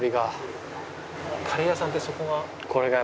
カレー屋さんってそこが。